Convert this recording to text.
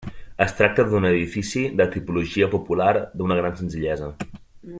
Es tracta d'un edifici de tipologia popular d'una gran senzillesa.